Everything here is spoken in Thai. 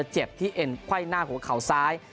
เจ็บที่เอนไคร่หน้าหัวข่าวซ้าย